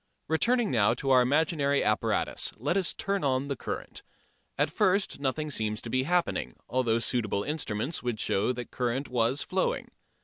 Returning now to our imaginary apparatus, let us turn on the current. At first nothing seems to be happening, although suitable instruments would show that current was flowing.